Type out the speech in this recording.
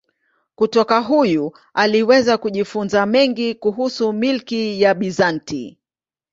Kutoka huyu aliweza kujifunza mengi kuhusu milki ya Bizanti.